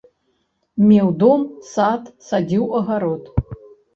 Меў дом, сад, садзіў агарод.